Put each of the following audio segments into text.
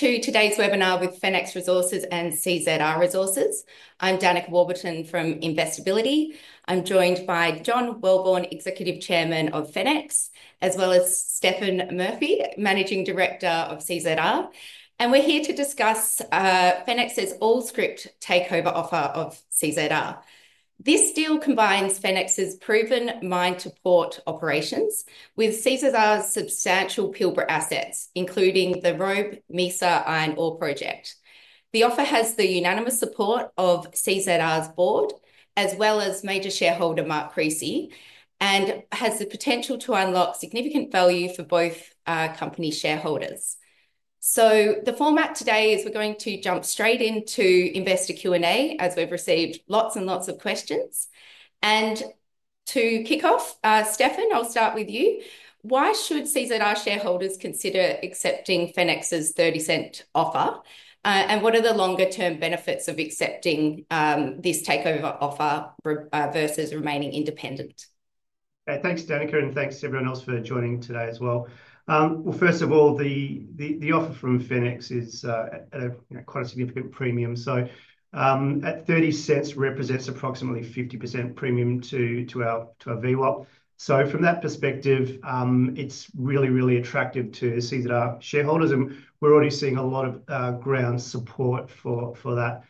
To today's webinar with Fenix Resources and CZR Resources. I'm Danica Warburton from Investability. I'm joined by John Welborn, Executive Chairman of Fenix, as well as Stefan Murphy, Managing Director of CZR. We're here to discuss Fenix's all-scrip takeover offer of CZR. This deal combines Fenix's proven mine-to-port operations with CZR's substantial Pilbara assets, including the Robe Mesa Iron Ore Project. The offer has the unanimous support of CZR's board, as well as major shareholder Mark Creasy, and has the potential to unlock significant value for both company shareholders. The format today is we're going to jump straight into investor Q&A as we've received lots and lots of questions. To kick off, Stefan, I'll start with you. Why should CZR shareholders consider accepting Fenix's 0.30 offer? What are the longer-term benefits of accepting this takeover offer versus remaining independent? Okay, thanks, Danica, and thanks to everyone else for joining today as well. First of all, the offer from Fenix is at quite a significant premium. At 0.30, it represents approximately a 50% premium to our VWAP. From that perspective, it is really, really attractive to CZR shareholders. We are already seeing a lot of ground support for that.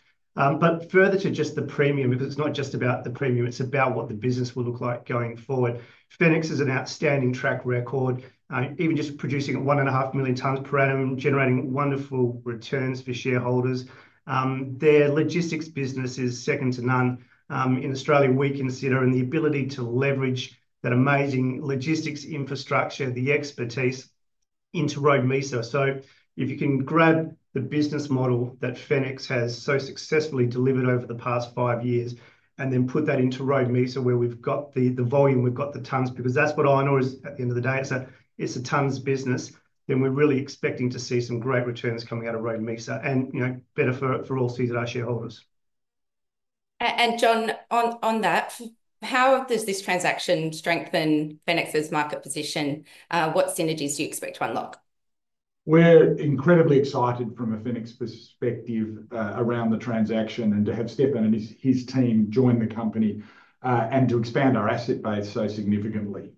Further to just the premium, because it is not just about the premium, it is about what the business will look like going forward. Fenix has an outstanding track record, even just producing 1.5 million tonnes per annum, generating wonderful returns for shareholders. Their logistics business is second to none. In Australia, we consider the ability to leverage that amazing logistics infrastructure, the expertise into Robe Mesa. If you can grab the business model that Fenix has so successfully delivered over the past five years, and then put that into Robe Mesa, where we've got the volume, we've got the tonnes, because that's what I know is at the end of the day, it's a tonnes business, then we're really expecting to see some great returns coming out of Robe Mesa, and better for all CZR shareholders. John, on that, how does this transaction strengthen Fenix's market position? What synergies do you expect to unlock? We're incredibly excited from a Fenix perspective around the transaction and to have Stefan and his team join the company and to expand our asset base so significantly.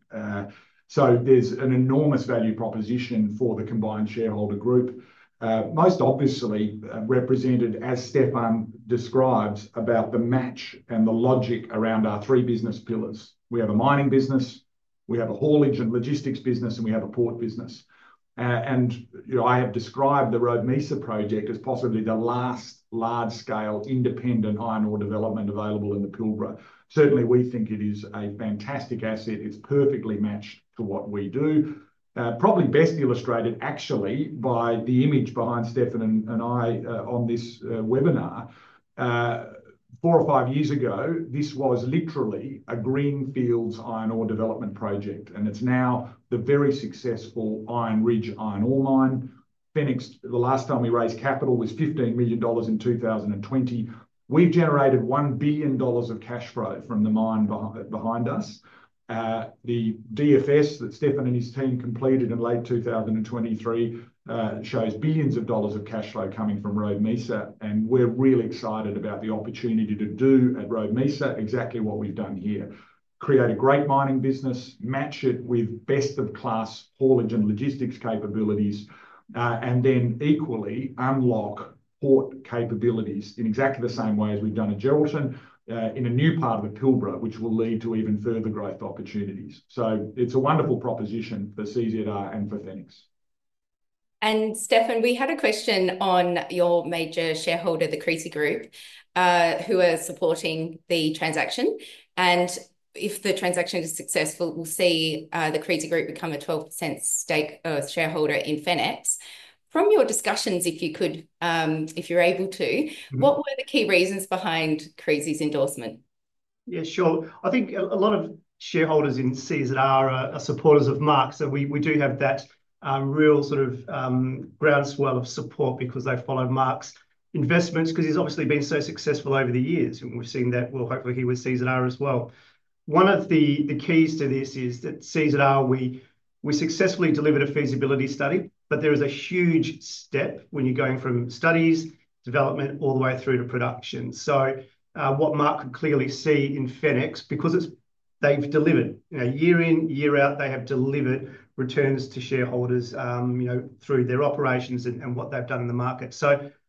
There's an enormous value proposition for the combined shareholder group, most obviously represented as Stefan describes about the match and the logic around our three business pillars. We have a mining business, we have a haulage and logistics business, and we have a port business. I have described the Robe Mesa project as possibly the last large-scale independent iron ore development available in the Pilbara. Certainly, we think it is a fantastic asset. It's perfectly matched to what we do. Probably best illustrated, actually, by the image behind Stefan and I on this webinar. Four or five years ago, this was literally a greenfields iron ore development project, and it's now the very successful Iron Ridge Iron Ore Mine. Fenix, the last time we raised capital was 15 million dollars in 2020. We've generated 1 billion dollars of cash flow from the mine behind us. The DFS that Stefan and his team completed in late 2023 shows billions of dollars of cash flow coming from Robe Mesa. We're really excited about the opportunity to do at Robe Mesa exactly what we've done here. Create a great mining business, match it with best of class haulage and logistics capabilities, and then equally unlock port capabilities in exactly the same way as we've done at Geraldton in a new part of the Pilbara, which will lead to even further growth opportunities. It is a wonderful proposition for CZR and for Fenix. Stefan, we had a question on your major shareholder, the Creasy Group, who are supporting the transaction. If the transaction is successful, we'll see the Creasy Group become a 12% stake shareholder in Fenix. From your discussions, if you could, if you're able to, what were the key reasons behind Creasy's endorsement? Yeah, sure. I think a lot of shareholders in CZR are supporters of Mark's. We do have that real sort of groundswell of support because they follow Mark's investments, because he's obviously been so successful over the years, and we've seen that, well, hopefully he with CZR as well. One of the keys to this is that CZR, we successfully delivered a feasibility study, but there is a huge step when you're going from studies, development, all the way through to production. What Mark could clearly see in Fenix, because they've delivered year in, year out, they have delivered returns to shareholders through their operations and what they've done in the market.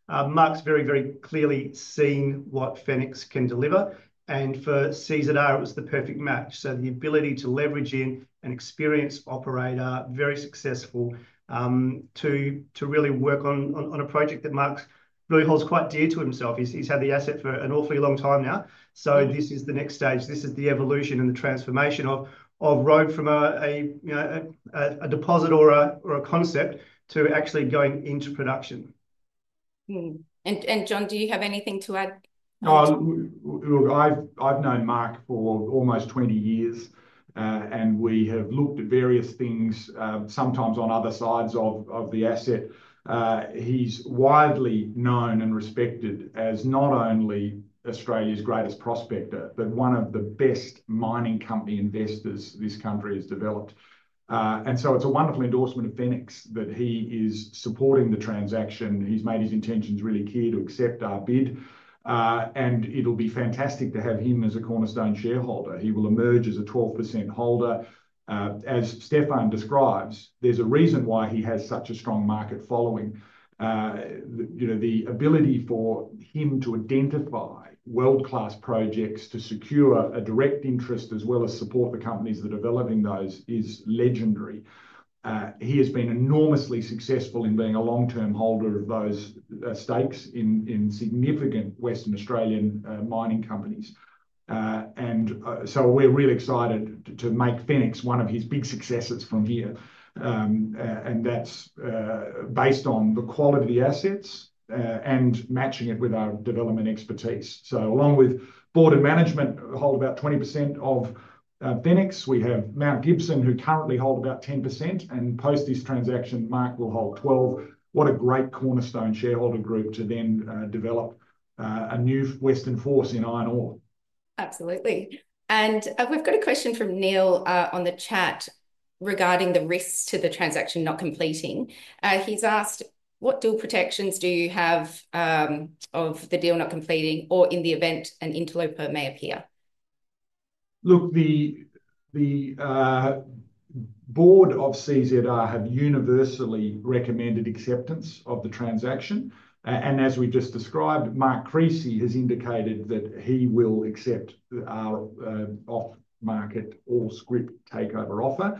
Mark's very, very clearly seen what Fenix can deliver. For CZR, it was the perfect match. The ability to leverage in an experienced operator, very successful, to really work on a project that Mark's really holds quite dear to himself. He's had the asset for an awfully long time now. This is the next stage. This is the evolution and the transformation of Robe from a deposit or a concept to actually going into production. John, do you have anything to add? Look, I've known Mark for almost 20 years, and we have looked at various things, sometimes on other sides of the asset. He is widely known and respected as not only Australia's greatest prospector, but one of the best mining company investors this country has developed. It is a wonderful endorsement of Fenix that he is supporting the transaction. He has made his intentions really clear to accept our bid. It will be fantastic to have him as a cornerstone shareholder. He will emerge as a 12% holder. As Stefan describes, there is a reason why he has such a strong market following. The ability for him to identify world-class projects, to secure a direct interest as well as support the companies that are developing those, is legendary. He has been enormously successful in being a long-term holder of those stakes in significant Western Australian mining companies. We're really excited to make Fenix one of his big successes from here. That's based on the quality of the assets and matching it with our development expertise. Along with board and management, we hold about 20% of Fenix. We have Mount Gibson, who currently hold about 10%. Post this transaction, Mark will hold 12%. What a great cornerstone shareholder group to then develop a new Western force in iron ore. Absolutely. We have a question from Neil on the chat regarding the risks to the transaction not completing. He has asked, what deal protections do you have if the deal does not complete or in the event an interloper may appear? Look, the board of CZR have universally recommended acceptance of the transaction. As we just described, Mark Creasy has indicated that he will accept our off-market all-scrip takeover offer.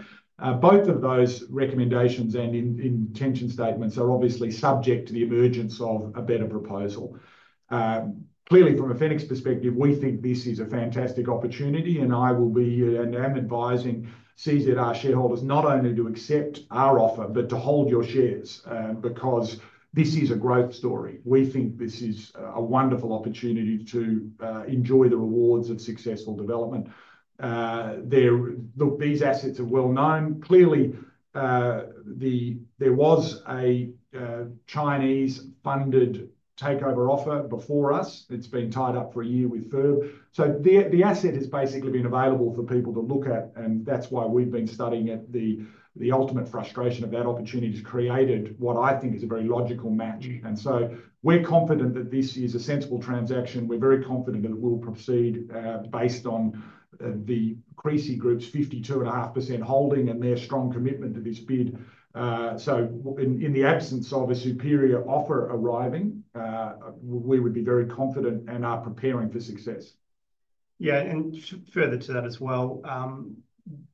Both of those recommendations and intention statements are obviously subject to the emergence of a better proposal. Clearly, from a Fenix perspective, we think this is a fantastic opportunity. I will be and am advising CZR shareholders not only to accept our offer, but to hold your shares because this is a growth story. We think this is a wonderful opportunity to enjoy the rewards of successful development. Look, these assets are well known. Clearly, there was a Chinese-funded takeover offer before us. It has been tied up for a year with FIRB. The asset has basically been available for people to look at. That is why we have been studying it. The ultimate frustration of that opportunity has created what I think is a very logical match. We are confident that this is a sensible transaction. We are very confident that it will proceed based on the Creasy Group's 52.5% holding and their strong commitment to this bid. In the absence of a superior offer arriving, we would be very confident and are preparing for success. Yeah, and further to that as well,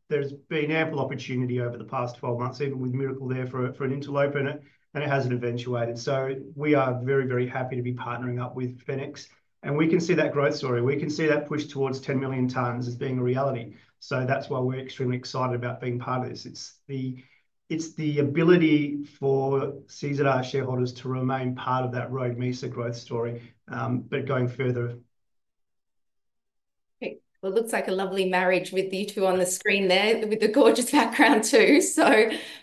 there's been ample opportunity over the past 12 months, even with Miracle there for an interloper, and it hasn't eventuated. We are very, very happy to be partnering up with Fenix. We can see that growth story. We can see that push towards 10 million tonnes as being a reality. That's why we're extremely excited about being part of this. It's the ability for CZR shareholders to remain part of that Robe Mesa growth story, but going further. Okay, it looks like a lovely marriage with you two on the screen there with the gorgeous background too.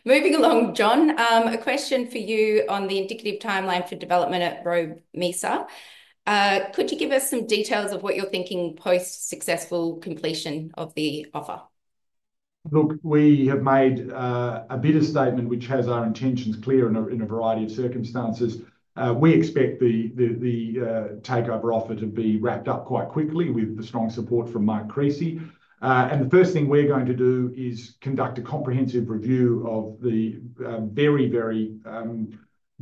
Moving along, John, a question for you on the indicative timeline for development at Robe Mesa. Could you give us some details of what you're thinking post-successful completion of the offer? Look, we have made a Bidder’s Statement, which has our intentions clear in a variety of circumstances. We expect the takeover offer to be wrapped up quite quickly with the strong support from Mark Creasy. The first thing we're going to do is conduct a comprehensive review of the very, very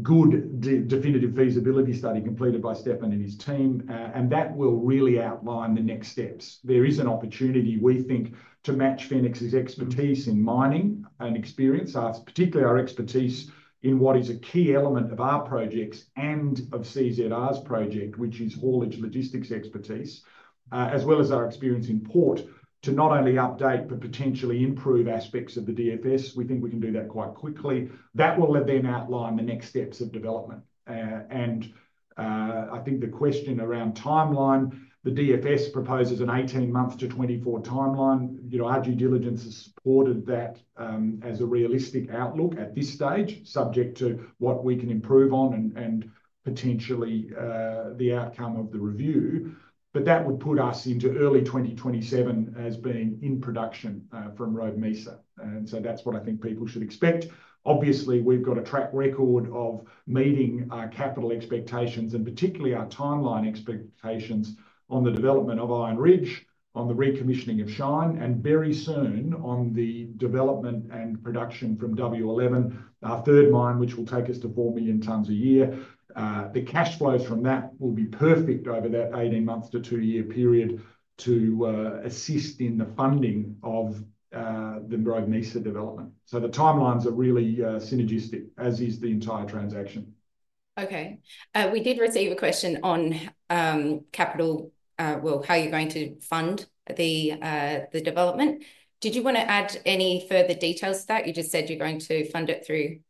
good Definitive Feasibility Study completed by Stefan and his team. That will really outline the next steps. There is an opportunity, we think, to match Fenix's expertise in mining and experience, particularly our expertise in what is a key element of our projects and of CZR's project, which is haulage logistics expertise, as well as our experience in port, to not only update, but potentially improve aspects of the DFS. We think we can do that quite quickly. That will then outline the next steps of development. I think the question around timeline, the DFS proposes an 18-month to 24-month timeline. Our due diligence has supported that as a realistic outlook at this stage, subject to what we can improve on and potentially the outcome of the review. That would put us into early 2027 as being in production from Robe Mesa. That is what I think people should expect. Obviously, we've got a track record of meeting our capital expectations and particularly our timeline expectations on the development of Iron Ridge, on the recommissioning of Shine, and very soon on the development and production from W11, our third mine, which will take us to 4 million tonnes a year. The cash flows from that will be perfect over that 18-month to 2-year period to assist in the funding of the Robe Mesa development. The timelines are really synergistic, as is the entire transaction. Okay. We did receive a question on capital, well, how you're going to fund the development. Did you want to add any further details to that? You just said you're going to fund it through.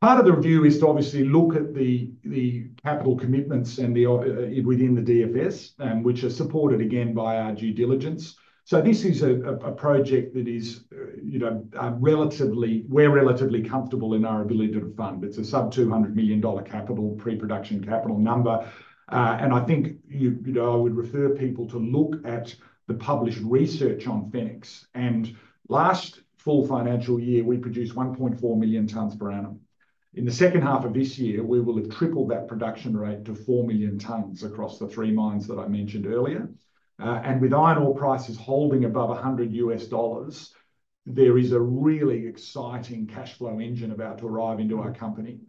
Part of the review is to obviously look at the capital commitments within the DFS, which are supported again by our due diligence. This is a project that is relatively, we're relatively comfortable in our ability to fund. It is a sub-AUD 200 million capital, pre-production capital number. I think I would refer people to look at the published research on Fenix. Last full financial year, we produced 1.4 million tonnes per annum. In the second half of this year, we will have tripled that production rate to 4 million tonnes across the three mines that I mentioned earlier. With iron ore prices holding above $100, there is a really exciting cash flow engine about to arrive into our company.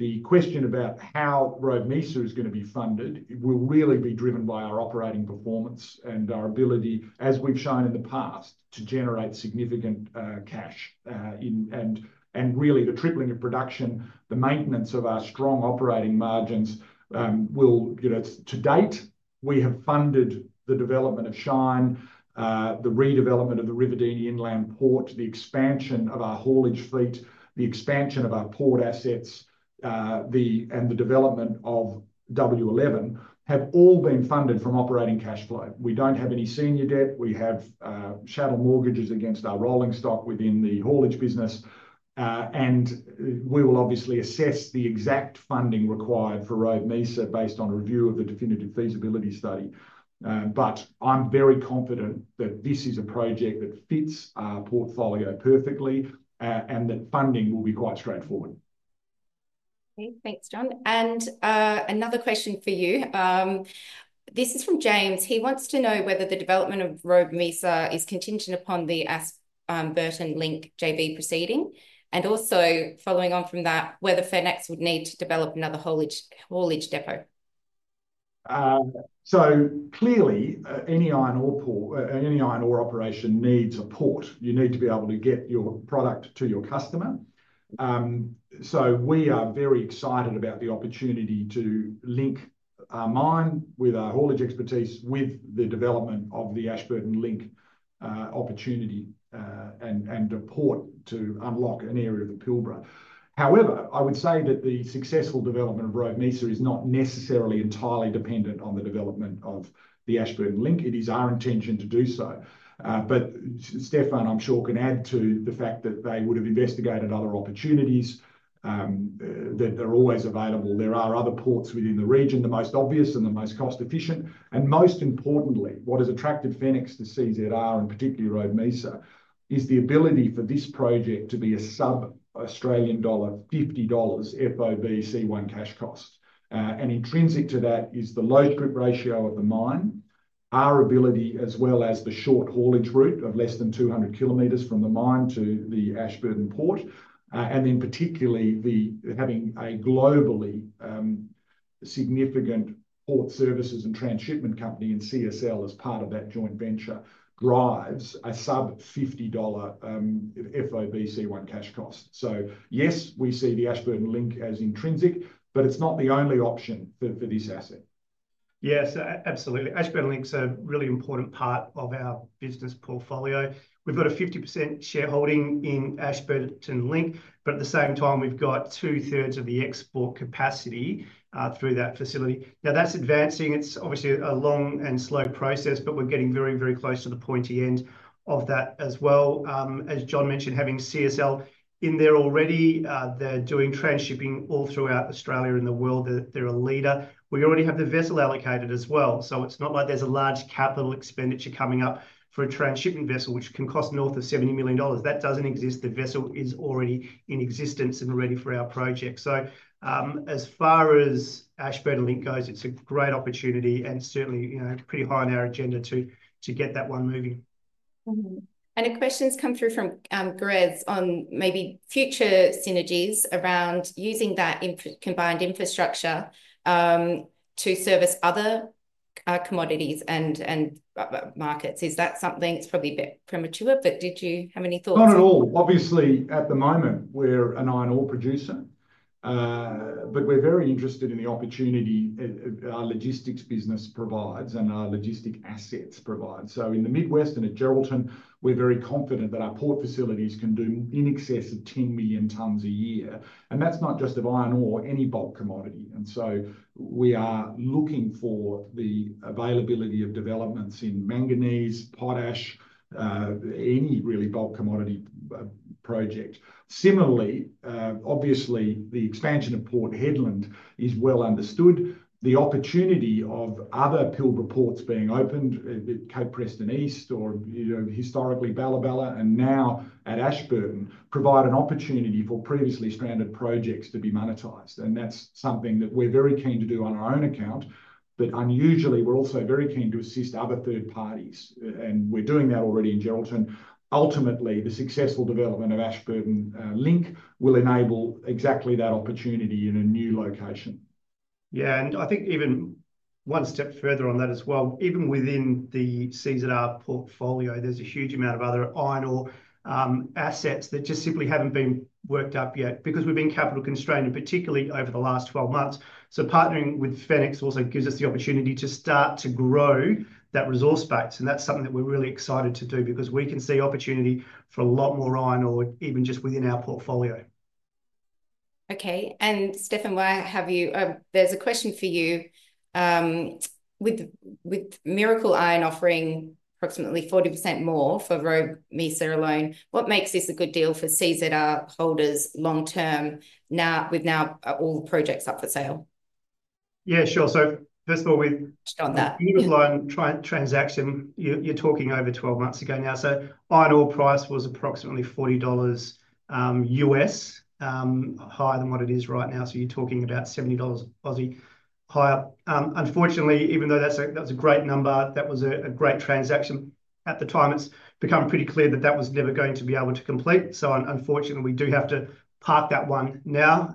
The question about how Robe Mesa is going to be funded will really be driven by our operating performance and our ability, as we've shown in the past, to generate significant cash. Really, the tripling of production, the maintenance of our strong operating margins, to date, we have funded the development of Shine, the redevelopment of the Riverdene Inland Port, the expansion of our haulage fleet, the expansion of our port assets, and the development of W11 have all been funded from operating cash flow. We don't have any senior debt. We have shadow mortgages against our rolling stock within the haulage business. We will obviously assess the exact funding required for Robe Mesa based on review of the Definitive Feasibility Study. I'm very confident that this is a project that fits our portfolio perfectly and that funding will be quite straightforward. Okay, thanks, John. Another question for you. This is from James. He wants to know whether the development of Robe Mesa is contingent upon the Ashburton Link JV proceeding. Also, following on from that, whether Fenix would need to develop another haulage depot. Clearly, any iron ore operation needs a port. You need to be able to get your product to your customer. We are very excited about the opportunity to link our mine with our haulage expertise with the development of the Ashburton Link opportunity and a port to unlock an area of the Pilbara. However, I would say that the successful development of Robe Mesa is not necessarily entirely dependent on the development of the Ashburton Link. It is our intention to do so. Stefan, I'm sure, can add to the fact that they would have investigated other opportunities that are always available. There are other ports within the region, the most obvious and the most cost-efficient. Most importantly, what has attracted Fenix to CZR, and particularly Robe Mesa, is the ability for this project to be a sub-AUD 50 FOB C1 cash cost. Intrinsic to that is the load-strip ratio of the mine, our ability, as well as the short haulage route of less than 200 km from the mine to the Ashburton port. Particularly, having a globally significant port services and transshipment company in CSL as part of that joint venture drives a sub-AUD 50 FOB C1 cash cost. Yes, we see the Ashburton Link as intrinsic, but it is not the only option for this asset. Yes, absolutely. Ashburton Link's a really important part of our business portfolio. We've got a 50% shareholding in Ashburton Link, but at the same time, we've got two-thirds of the export capacity through that facility. Now, that's advancing. It's obviously a long and slow process, but we're getting very, very close to the pointy end of that as well. As John mentioned, having CSL in there already, they're doing transshipping all throughout Australia and the world. They're a leader. We already have the vessel allocated as well. It's not like there's a large capital expenditure coming up for a transshipping vessel, which can cost north of 70 million dollars. That doesn't exist. The vessel is already in existence and ready for our project. As far as Ashburton Link goes, it's a great opportunity and certainly pretty high on our agenda to get that one moving. Questions come through from Grez on maybe future synergies around using that combined infrastructure to service other commodities and markets. Is that something? It's probably a bit premature, but did you have any thoughts? Not at all. Obviously, at the moment, we're an iron ore producer, but we're very interested in the opportunity our logistics business provides and our logistic assets provide. In the Midwest and at Geraldton, we're very confident that our port facilities can do in excess of 10 million tonnes a year. That's not just of iron ore, any bulk commodity. We are looking for the availability of developments in manganese, potash, any really bulk commodity project. Similarly, obviously, the expansion of Port Hedland is well understood. The opportunity of other Pilbara ports being opened at Cape Preston East or historically Ballaballa and now at Ashburton provide an opportunity for previously stranded projects to be monetized. That's something that we're very keen to do on our own account. Unusually, we're also very keen to assist other third parties. We're doing that already in Geraldton. Ultimately, the successful development of Ashburton Link will enable exactly that opportunity in a new location. Yeah, I think even one step further on that as well, even within the CZR portfolio, there's a huge amount of other iron ore assets that just simply haven't been worked up yet because we've been capital constrained, particularly over the last 12 months. Partnering with Fenix also gives us the opportunity to start to grow that resource base. That's something that we're really excited to do because we can see opportunity for a lot more iron ore even just within our portfolio. Okay. Stefan, why have you, there's a question for you. With Miracle Iron offering approximately 40% more for Robe Mesa alone, what makes this a good deal for CZR holders long term with now all the projects up for sale? Yeah, sure. First of all, we've got that transaction. You're talking over 12 months ago now. Iron ore price was approximately $40 higher in U.S. dollars than what it is right now. You're talking about 70 Aussie dollars higher. Unfortunately, even though that was a great number, that was a great transaction. At the time, it's become pretty clear that that was never going to be able to complete. Unfortunately, we do have to park that one now.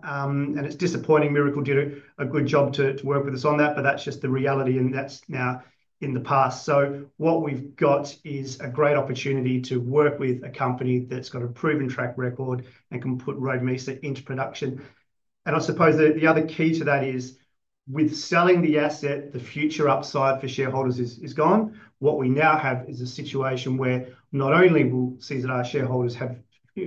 It's disappointing. Miracle did a good job to work with us on that, but that's just the reality and that's now in the past. What we've got is a great opportunity to work with a company that's got a proven track record and can put Robe Mesa into production. I suppose the other key to that is with selling the asset, the future upside for shareholders is gone. What we now have is a situation where not only will CZR shareholders have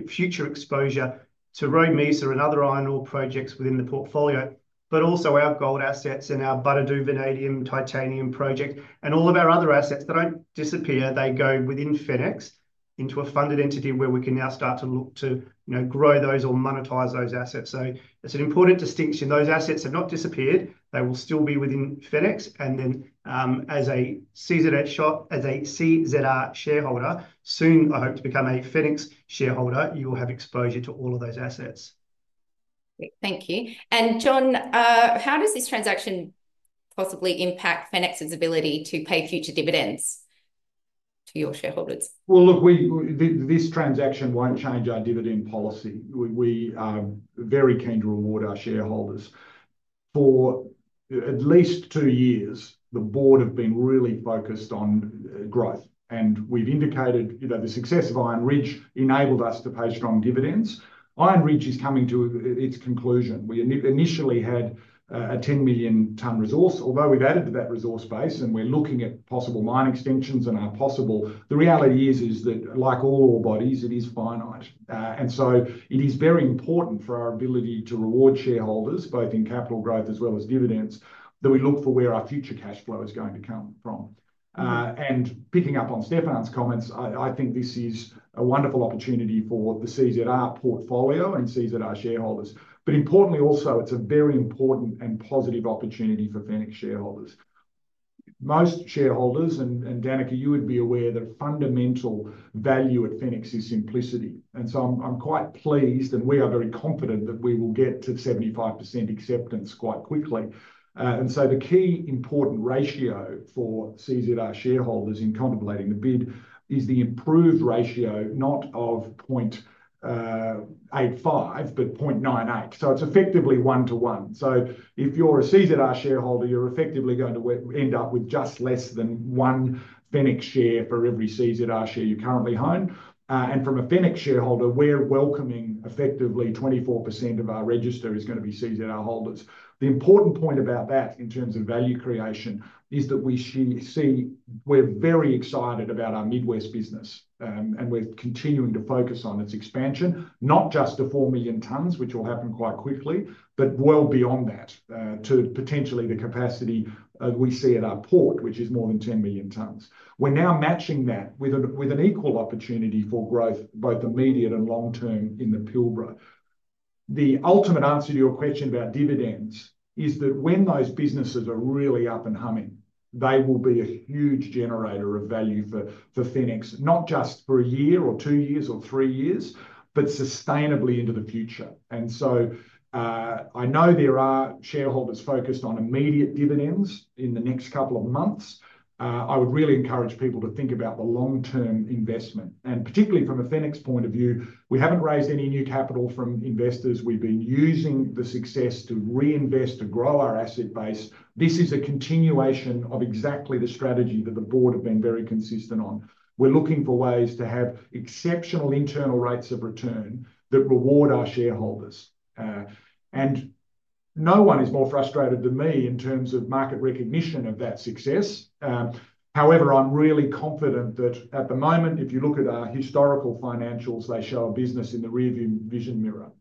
future exposure to Robe Mesa and other iron ore projects within the portfolio, but also our gold assets and our Butterdoo Vanadium Titanium Project and all of our other assets that do not disappear. They go within Fenix into a funded entity where we can now start to look to grow those or monetize those assets. It is an important distinction. Those assets have not disappeared. They will still be within Fenix. As a CZR shareholder, soon I hope to become a Fenix shareholder, you will have exposure to all of those assets. Thank you. John, how does this transaction possibly impact Fenix's ability to pay future dividends to your shareholders? Look, this transaction will not change our dividend policy. We are very keen to reward our shareholders. For at least two years, the board have been really focused on growth. We have indicated the success of Iron Ridge enabled us to pay strong dividends. Iron Ridge is coming to its conclusion. We initially had a 10 million ton resource, although we have added to that resource base and we are looking at possible mine extensions and our possible the reality is that like all ore bodies, it is finite. It is very important for our ability to reward shareholders, both in capital growth as well as dividends, that we look for where our future cash flow is going to come from. Picking up on Stefan's comments, I think this is a wonderful opportunity for the CZR portfolio and CZR shareholders. Importantly also, it's a very important and positive opportunity for Fenix shareholders. Most shareholders, and Danica, you would be aware that fundamental value at Fenix is simplicity. I'm quite pleased and we are very confident that we will get to 75% acceptance quite quickly. The key important ratio for CZR shareholders in contemplating the bid is the improved ratio, not of 0.85, but 0.98. It's effectively one to one. If you're a CZR shareholder, you're effectively going to end up with just less than one Fenix share for every CZR share you currently hold. From a Fenix shareholder, we're welcoming effectively 24% of our register is going to be CZR holders. The important point about that in terms of value creation is that we see we're very excited about our Midwest business and we're continuing to focus on its expansion, not just to 4 million tons, which will happen quite quickly, but well beyond that to potentially the capacity we see at our port, which is more than 10 million tons. We are now matching that with an equal opportunity for growth, both immediate and long term in the Pilbara. The ultimate answer to your question about dividends is that when those businesses are really up and humming, they will be a huge generator of value for Fenix, not just for a year or two years or three years, but sustainably into the future. I know there are shareholders focused on immediate dividends in the next couple of months. I would really encourage people to think about the long-term investment. Particularly from a Fenix point of view, we haven't raised any new capital from investors. We've been using the success to reinvest to grow our asset base. This is a continuation of exactly the strategy that the board have been very consistent on. We're looking for ways to have exceptional internal rates of return that reward our shareholders. No one is more frustrated than me in terms of market recognition of that success. However, I'm really confident that at the moment, if you look at our historical financials, they show a business in the rear-view vision mirror.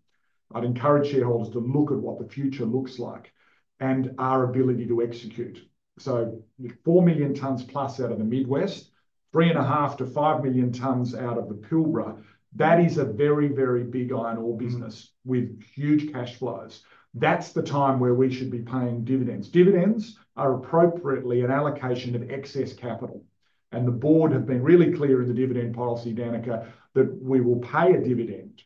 I encourage shareholders to look at what the future looks like and our ability to execute. Four million tons plus out of the Midwest, 3.5-5 million tons out of the Pilbara, that is a very, very big iron ore business with huge cash flows. That's the time where we should be paying dividends. Dividends are appropriately an allocation of excess capital. The board have been really clear in the dividend policy, Danica, that we will pay a dividend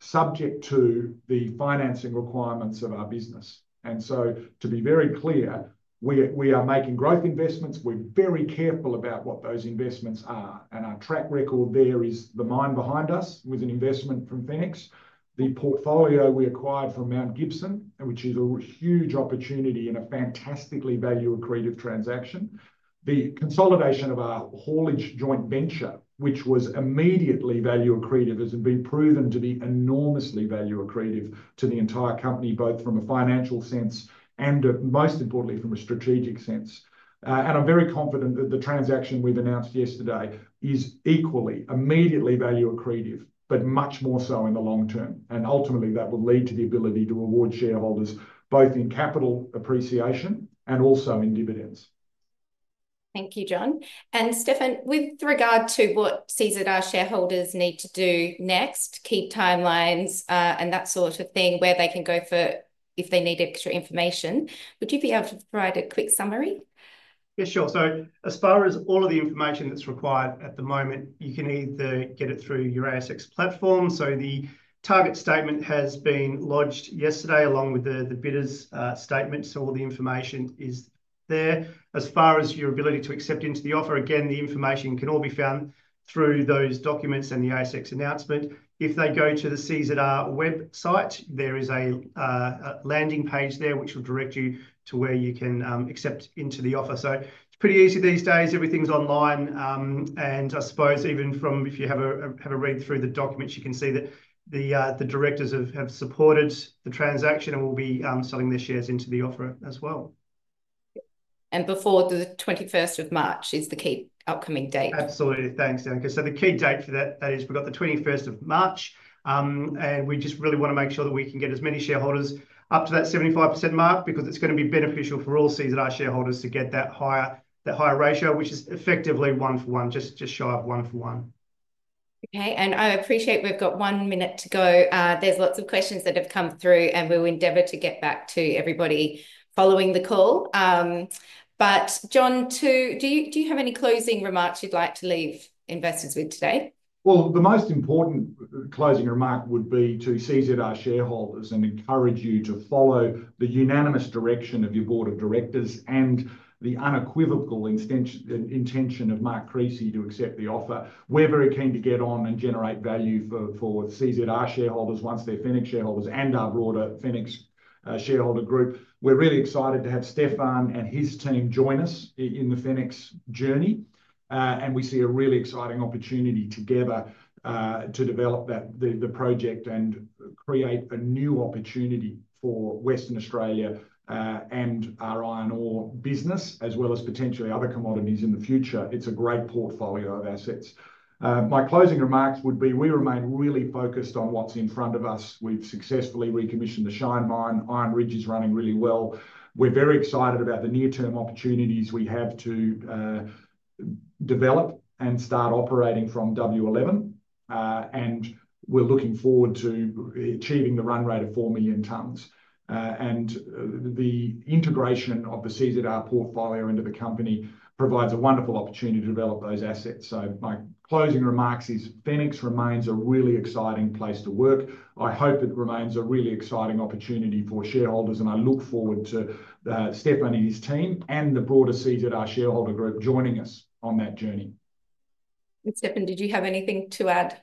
subject to the financing requirements of our business. To be very clear, we are making growth investments. We're very careful about what those investments are. Our track record there is the mine behind us with an investment from Fenix, the portfolio we acquired from Mount Gibson, which is a huge opportunity and a fantastically value accretive transaction, the consolidation of our haulage joint venture, which was immediately value accretive, has been proven to be enormously value accretive to the entire company, both from a financial sense and most importantly from a strategic sense. I'm very confident that the transaction we've announced yesterday is equally immediately value accretive, but much more so in the long term. Ultimately, that will lead to the ability to reward shareholders both in capital appreciation and also in dividends. Thank you, John. Stefan, with regard to what CZR shareholders need to do next, keep timelines and that sort of thing where they can go for if they need extra information, would you be able to provide a quick summary? Yeah, sure. As far as all of the information that's required at the moment, you can either get it through your ASX platform. The target statement has been lodged yesterday along with the Bidder’s Statement. All the information is there. As far as your ability to accept into the offer, again, the information can all be found through those documents and the ASX announcement. If they go to the CZR website, there is a landing page there which will direct you to where you can accept into the offer. It's pretty easy these days. Everything's online. I suppose even if you have a read through the documents, you can see that the directors have supported the transaction and will be selling their shares into the offer as well. Before the March 21st is the key upcoming date. Absolutely. Thanks, Danica. The key date for that is we have the March 21st. We just really want to make sure that we can get as many shareholders up to that 75% mark because it is going to be beneficial for all CZR shareholders to get that higher ratio, which is effectively one for one, just shy of one for one. Okay. I appreciate we've got one minute to go. There are lots of questions that have come through and we'll endeavor to get back to everybody following the call. John, do you have any closing remarks you'd like to leave investors with today? The most important closing remark would be to CZR shareholders and encourage you to follow the unanimous direction of your board of directors and the unequivocal intention of Mark Creasy to accept the offer. We're very keen to get on and generate value for CZR shareholders once they're Fenix shareholders and our broader Fenix shareholder group. We're really excited to have Stefan and his team join us in the Fenix journey. We see a really exciting opportunity together to develop the project and create a new opportunity for Western Australia and our iron ore business, as well as potentially other commodities in the future. It's a great portfolio of assets. My closing remarks would be we remain really focused on what's in front of us. We've successfully recommissioned the Shine Mine. Iron Ridge is running really well. We're very excited about the near-term opportunities we have to develop and start operating from W11. We are looking forward to achieving the run rate of 4 million tons. The integration of the CZR portfolio into the company provides a wonderful opportunity to develop those assets. My closing remarks are Fenix remains a really exciting place to work. I hope it remains a really exciting opportunity for shareholders. I look forward to Stefan and his team and the broader CZR shareholder group joining us on that journey. Stefan, did you have anything to add?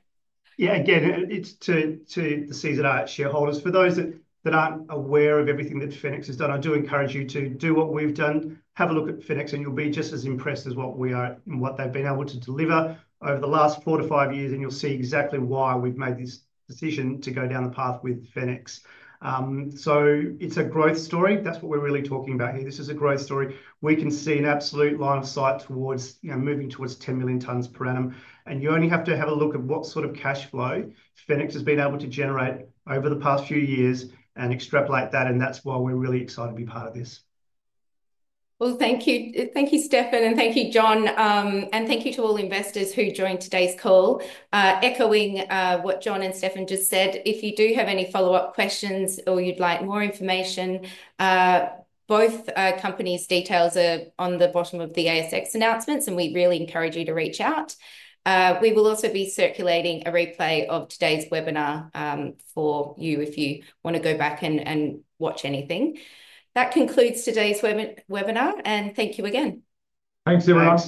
Yeah, again, it's to the CZR shareholders. For those that aren't aware of everything that Fenix has done, I do encourage you to do what we've done. Have a look at Fenix and you'll be just as impressed as what we are and what they've been able to deliver over the last four to five years. You will see exactly why we've made this decision to go down the path with Fenix. It is a growth story. That's what we're really talking about here. This is a growth story. We can see an absolute line of sight towards moving towards 10 million tons per annum. You only have to have a look at what sort of cash flow Fenix has been able to generate over the past few years and extrapolate that. That's why we're really excited to be part of this. Thank you. Thank you, Stefan, and thank you, John. Thank you to all investors who joined today's call. Echoing what John and Stefan just said, if you do have any follow-up questions or you'd like more information, both companies' details are on the bottom of the ASX announcements. We really encourage you to reach out. We will also be circulating a replay of today's webinar for you if you want to go back and watch anything. That concludes today's webinar. Thank you again. Thanks very much.